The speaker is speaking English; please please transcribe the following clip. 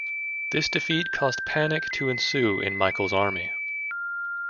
This defeat caused panic to ensue in Michael's army.